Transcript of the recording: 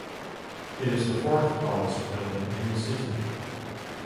It is the fourth tallest building in the city.